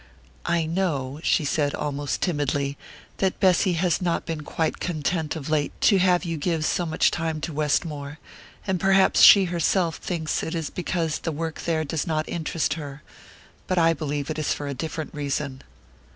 "I know," she said, almost timidly, "that Bessy has not been quite content of late to have you give so much time to Westmore, and perhaps she herself thinks it is because the work there does not interest her; but I believe it is for a different reason."